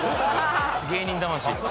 芸人魂。